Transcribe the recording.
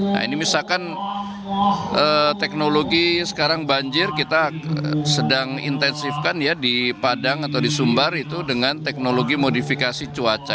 nah ini misalkan teknologi sekarang banjir kita sedang intensifkan ya di padang atau di sumbar itu dengan teknologi modifikasi cuaca